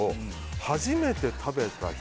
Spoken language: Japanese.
初めて食べた人